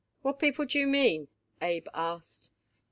"What people do you mean?" Abe asked.